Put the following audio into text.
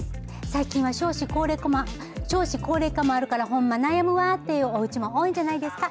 最近は少子高齢化もあるから、ほんま悩むわーっていうおうちも多いんじゃないですか。